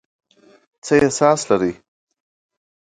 څه احساس لرئ ؟